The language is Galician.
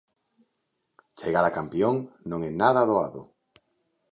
Chegar a campión non é nada doado.